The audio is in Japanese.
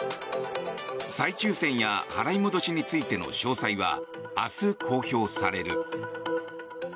再抽選や払い戻しについての詳細は明日、公表される。